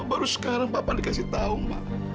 kenapa baru sekarang papa dikasih tahu ma